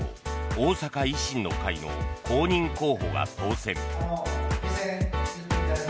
大阪維新の会の公認候補が当選。